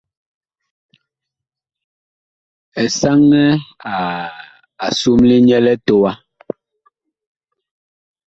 Esanɛ a somle nyɛ litowa.